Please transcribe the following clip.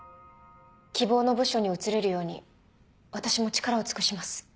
希望の部署に移れるように私も力を尽くします。